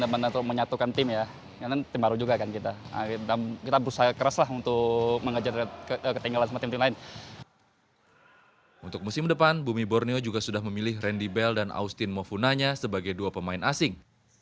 dari empat klub yang sudah diperoleh bumi borneo juga sudah memilih randy bell dan austin mofunanya sebagai dua pemain asing